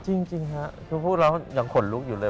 จริงครับคือพวกเรายังขนลุกอยู่เลย